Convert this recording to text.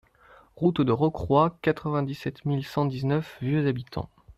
Route de Rocroy, quatre-vingt-dix-sept mille cent dix-neuf Vieux-Habitants